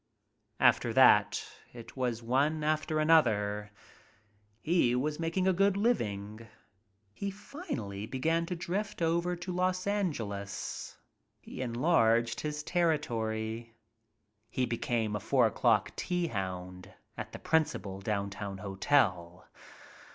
"After that it was one after another. He was making a good living. He finally began to drift over to Los Angeles. He enlarged his territory. He became a four o'clock tea hound at the principal downtown hotel.